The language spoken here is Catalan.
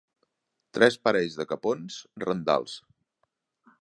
Tres parells de capons rendals.